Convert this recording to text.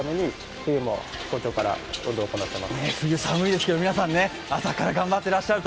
冬寒いですけど、皆さん朝から頑張っていらっしゃると。